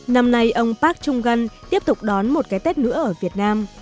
năm nay ông park chung gan tiếp tục đón một cái tết nữa ở việt nam